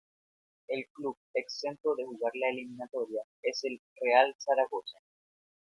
El club exento de jugar la eliminatoria es el Real Zaragoza.